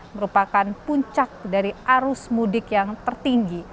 merupakan puncak dari arus mudik yang tertinggi